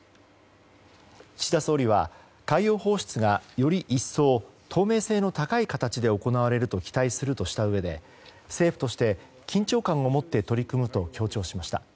岸田総理は、海洋放出がより一層透明性の高い形で行われると期待するとしたうえで政府として緊張感を持って取り組むと強調しました。